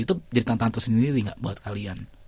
itu jadi tantang tersendiri gak buat kalian